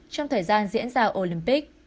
trong thời gian diễn ra olympic